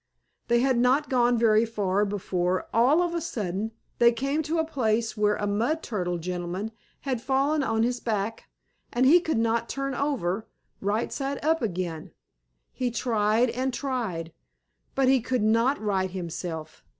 They had not gone very far before, all of a sudden, they came to a place where a mud turtle gentleman had fallen on his back, and he could not turn over, right side up again. He tried and tried, but he could not right himself.